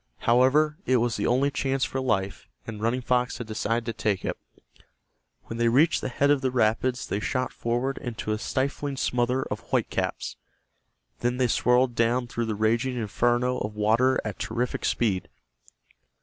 However, it was the only chance for life and Running Fox had decided to take it. When they reached the head of the rapids they shot forward into a stifling smother of white caps. Then they swirled down through the raging inferno of water at terrific speed.